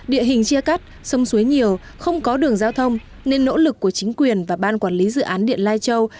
địa hình chia cắt sông suối nhiều không có đường giao thông nên nỗ lực của chính quyền và ban quản lý dự án điện lai châu